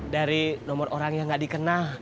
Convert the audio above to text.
dari nomor orang yang gak dikenal